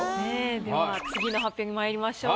では次の発表にまいりましょう。